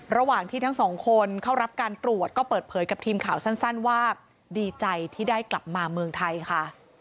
ระหว่างที่ทั้งสองคนเข้ารับการตรวจก็เปิดเผยกับทีมข่าวสั้นว่าดีใจที่ได้กลับมาเมืองไทยค่ะ